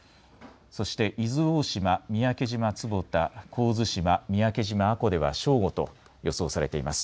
そして伊豆大島、三宅島坪田、神津島、三宅島阿古では正午と予想されています。